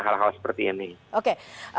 hal hal seperti ini